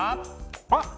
あっ！